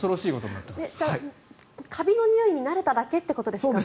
じゃあカビのにおいに慣れただけということですか？